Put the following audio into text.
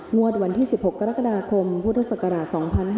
วันที่๑๖กรกฎาคมพุทธศักราช๒๕๕๙